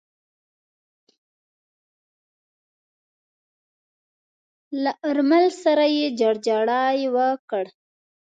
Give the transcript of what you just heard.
له آرمل سره يې جوړجاړی وکړ.